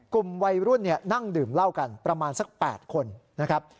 กลุ่มวัยรุ่นนั่งดื่มเหล้ากันประมาณสัก๘คนนะครับ